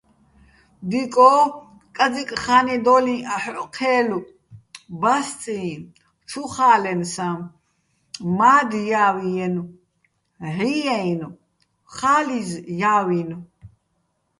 დიკო́, კაძიკ ხა́ნედოლიჼ აჰ̦ოჸ ჴე́ლო̆ ბასწიჼ, ჩუ ხა́ლენსაჼ, მა́დჲავჲიენო̆, "ჵიი"-აჲნო̆, ხალიზჲავინო̆.